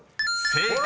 ［正解。